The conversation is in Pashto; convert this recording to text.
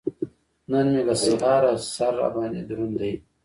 نن مې له سهاره سر را باندې دروند دی.